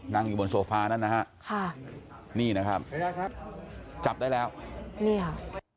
นั่งอยู่บนโซฟานั่นนะฮะค่ะนี่นะครับจับได้แล้วนี่ค่ะ